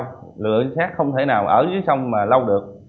lực lượng trinh sát không thể nào ở dưới sông mà lâu được